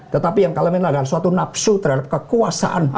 tetapi yang kalamin adalah suatu nafsu terhadap kekuasaan